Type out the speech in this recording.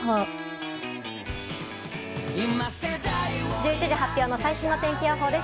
１１時発表の最新の天気予報です。